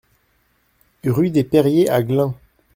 Rue des Perriers à Glun